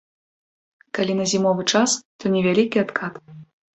Калі на зімовы час, то невялікі адкат.